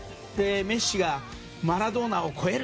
メッシがマラドーナを超える！